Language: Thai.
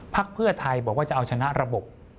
เพื่อไทยบอกว่าจะเอาชนะระบบ